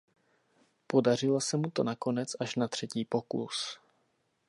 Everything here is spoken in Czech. Podařilo se mu to nakonec až na třetí pokus.